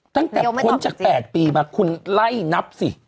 ตั้งแต่พ้นจาก๘ปีมาคุณไล่นับสิ